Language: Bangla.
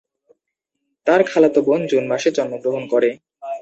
তার খালাতো বোন জুন মাসে জন্মগ্রহণ করে।